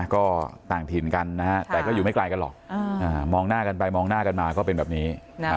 ก็ต่างถิ่นกันนะฮะแต่ก็อยู่ไม่ไกลกันหรอกมองหน้ากันไปมองหน้ากันมาก็เป็นแบบนี้